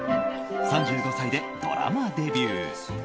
３５歳でドラマデビュー。